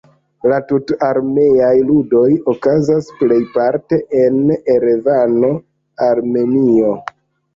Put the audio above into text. La Tut-armenaj Ludoj okazas plejparte en Erevano, Armenio.